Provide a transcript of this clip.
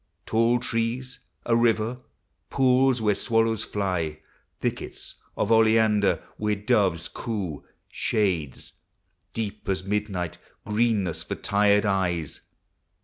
Tall trees, a river, pools, where swallows fly, Thickets of oleander where doves coo, Shades, deep as midnight, greenness for tired eyes.